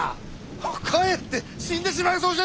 かえって死んでしまいそうじゃろうが！